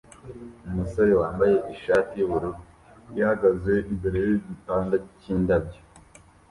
umusore wambaye ishati yubururu ihagaze imbere yigitanda cyindabyo